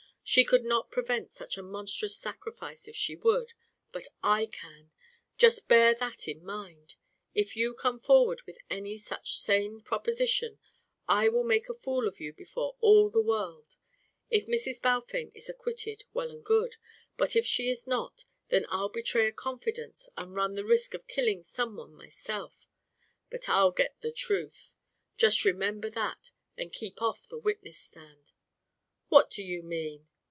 She could not prevent such a monstrous sacrifice if she would, but I can. Just bear that in mind. If you come forward with any such insane proposition, I will make a fool of you before all the world. If Mrs. Balfame is acquitted, well and good; but if she is not, then I'll betray a confidence and run the risk of killing some one myself but I'll get the truth. Just remember that, and keep off the witness stand." "What do you mean?"